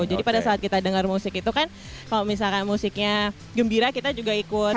jadi pada saat kita denger musik itu kan kalau misalnya musiknya gembira kita juga ikut